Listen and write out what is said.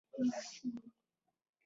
د یوې نیمې پېړۍ را پدېخوا اشنا وه.